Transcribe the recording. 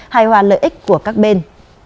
hài hòa lợi ích của các bên